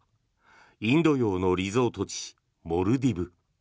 インド洋のリゾート地モルディブ。